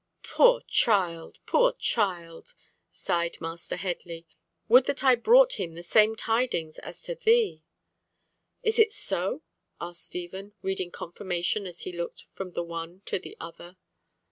"Poor child! poor child!" sighed Master Headley. "Would that I brought him the same tidings as to thee!" "Is it so?" asked Stephen, reading confirmation as he looked from the one to the other.